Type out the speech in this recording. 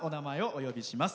お呼びします。